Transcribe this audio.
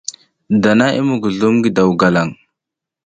Dana i muguzlum ngi daw galang.